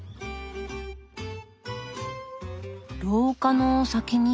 廊下の先には。